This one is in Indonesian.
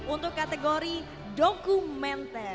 untuk kategori dokumenter